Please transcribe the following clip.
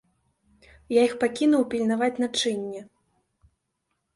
Я іх пакінуў пільнаваць начынне.